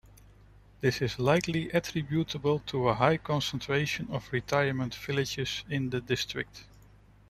This is likely attributable to a high concentration of retirement villages in the district.